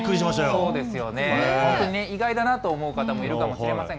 そうですよね、意外だなと思う方もいるかもしれません。